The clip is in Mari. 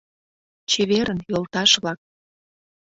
— Чеверын, йолташ-влак!..